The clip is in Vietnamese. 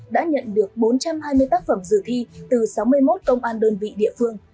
đã nhận được bốn trăm hai mươi tác phẩm dự thi từ sáu mươi một công an đơn vị địa phương